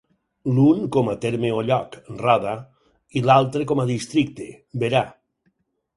L'un com a terme o lloc —Roda— i l'altre com a districte —Berà—.